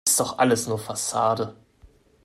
Ist doch alles nur Fassade.